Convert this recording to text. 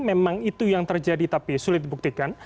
memang itu yang terjadi tapi sulit dibuktikan